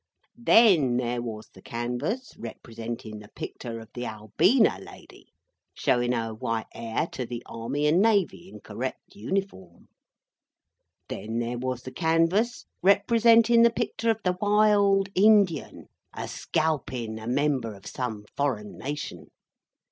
Then, there was the canvass, representin the picter of the Albina lady, showing her white air to the Army and Navy in correct uniform. Then, there was the canvass, representin the picter of the Wild Indian a scalpin a member of some foreign nation.